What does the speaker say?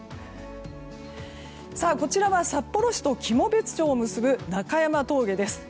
こちらは札幌市と喜茂別町を結ぶ中山峠です。